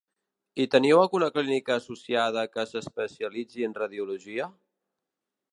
I teniu alguna clínica associada que s'especialitzi en radiologia?